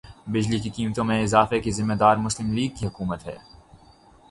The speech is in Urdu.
بجلی کی قیمتوں میں اضافے کی ذمہ دار مسلم لیگ کی حکومت ہے